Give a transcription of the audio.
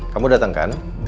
kamu datang kan